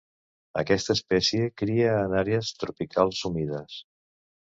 Aquesta espècie cria en àrees tropicals humides.